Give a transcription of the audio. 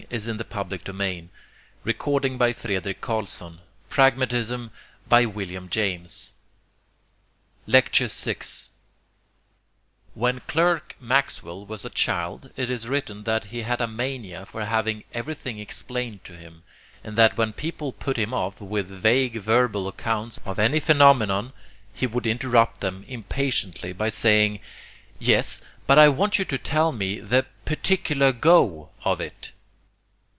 May there not after all be a possible ambiguity in truth? Lecture VI Pragmatism's Conception of Truth When Clerk Maxwell was a child it is written that he had a mania for having everything explained to him, and that when people put him off with vague verbal accounts of any phenomenon he would interrupt them impatiently by saying, "Yes; but I want you to tell me the PARTICULAR GO of it!"